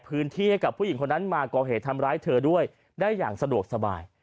ให้กับผู้หญิงคนนั้นมาก่อเหตุทำร้ายเธอด้วยได้อย่างสะดวกสบาย